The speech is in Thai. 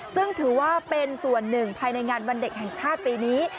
ซึ่งถือว่าเป็นส่วนหนึ่งภายในงานวันเด็กแห่งชาติปีนี้